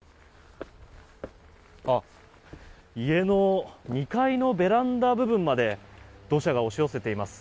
家の２階のベランダ部分まで土砂が押し寄せています。